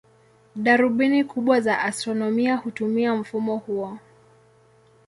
Darubini kubwa za astronomia hutumia mfumo huo.